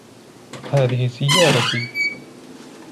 هذه سيالتي.